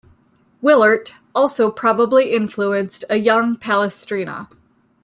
Willaert also probably influenced a young Palestrina.